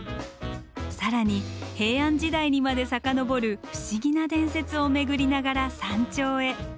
更に平安時代にまで遡る不思議な伝説を巡りながら山頂へ。